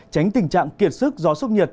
tránh tình trạng kiệt sức gió sốc nhiệt